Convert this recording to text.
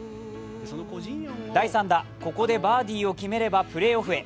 第３だ、ここでバーディーを決めればプレーオフへ。